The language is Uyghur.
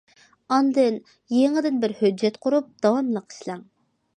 ئاندىن يېڭىدىن بىر ھۆججەت قۇرۇپ داۋاملىق ئىشلەڭ.